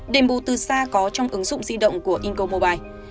đềm bù từ xa có trong ứng dụng di động của incomobile